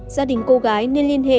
gia đình cô gái nên liên hệ